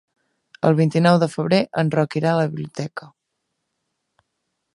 El vint-i-nou de febrer en Roc irà a la biblioteca.